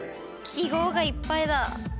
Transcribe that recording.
記号がいっぱいだ。